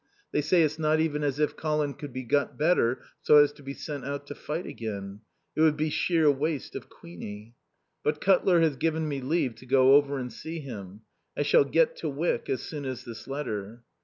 They say it's not even as if Colin could be got better so as to be sent out to fight again. It would be sheer waste of Queenie. But Cutler has given me leave to go over and see him. I shall get to Wyck as soon as this letter.